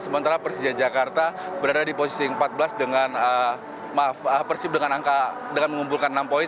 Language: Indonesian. sementara persija jakarta berada di posisi empat belas dengan mengumpulkan enam poin